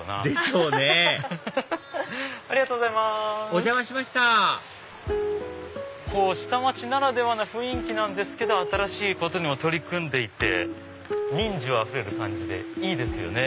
お邪魔しました下町ならではな雰囲気なんですけど新しいことにも取り組んでいて人情あふれる感じでいいですよね。